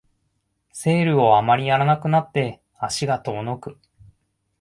セールをあまりやらなくなって足が遠のく